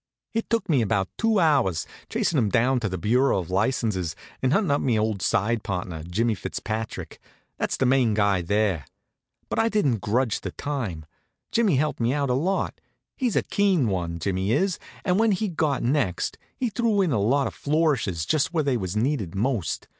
It took me about two hours, chasin' him down to the Bureau of Licenses, and huntin' up me old side partner, Jimmy Fitzpatrick, that's the main guy there. But I didn't grudge the time. Jimmy helped me out a lot. He's a keen one, Jimmy is, and when he'd got next, he threw in a lot of flourishes just where they was needed most.